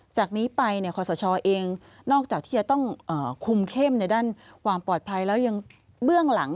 จากนี้ไปขอสชเองนอกจากที่จะต้องคุมเข้มในด้านความปลอดภัยแล้วยังเบื้องหลัง